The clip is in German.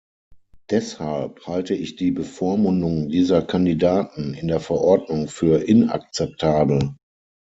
Deshalb halte ich die Bevormundung dieser Kandidaten in der Verordnung für inakzeptabel.